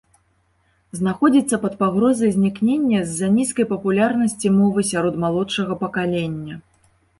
Знаходзіцца пад пагрозай знікнення з-за нізкай папулярнасці мовы сярод малодшага пакалення.